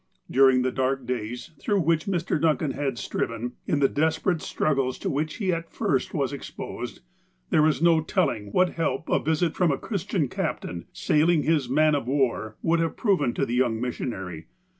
During the dark days through which Mr. Duncan had striven, in the desperate struggles to which he at first was exposed, there is no telling what help a visit from the Christian captain, sailing his man of war, would have proven to the young missionary.